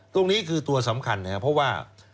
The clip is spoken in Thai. ตรงนี้คือตัวสำคัญนะครับเพราะว่า